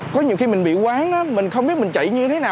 có nhiều khi mình bị quán mình không biết mình chạy như thế nào